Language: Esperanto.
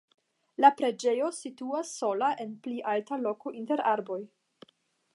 La preĝejo situas sola en pli alta loko inter arboj.